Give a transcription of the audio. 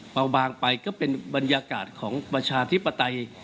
บางไปก็เป็นบรรยากาศของประชาธิปไตย